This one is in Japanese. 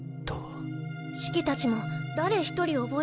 シキたちも誰一人覚えてない。